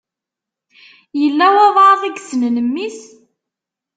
Yella walebɛaḍ i yessnen mmi-s?